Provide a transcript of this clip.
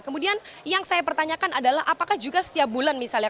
kemudian yang saya pertanyakan adalah apakah juga setiap bulan misalnya